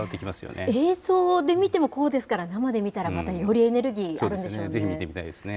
映像を見てもこうですから、生で見たら、またよりエネルギーあるんでしょうね。